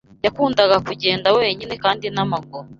yakundaga kugenda wenyine kandi n’ amaguru